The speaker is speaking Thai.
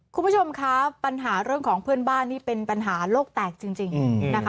คุณผู้ชมคะปัญหาเรื่องของเพื่อนบ้านนี่เป็นปัญหาโลกแตกจริงนะคะ